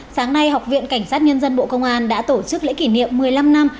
sáng nay học viện cảnh sát nhân dân bộ công an đã tổ chức lễ kỷ niệm một mươi năm năm